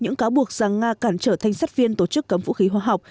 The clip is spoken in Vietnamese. những cáo buộc rằng nga cản trở thanh sát viên tổ chức cấm vũ khí hóa học